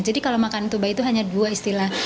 jadi kalau makanan bayi itu hanya dua istilah